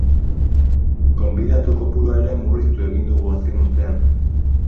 Gonbidatu kopurua ere murriztu egin dugu azken urtean.